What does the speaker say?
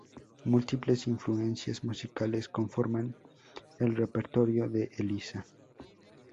Múltiples influencias musicales conforman el repertorio de Elisa.